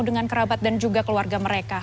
dengan kerabat dan juga keluarga mereka